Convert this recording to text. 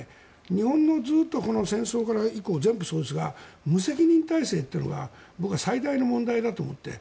日本の、戦争以降ずっと全部そうですが無責任体制というのが僕は最大の問題だと思ってる。